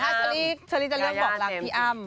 ชะลีจะเลือกบอกรักอั้ม